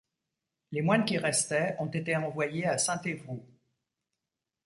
Les moines qui restaient ont été envoyés à Saint-Évroult.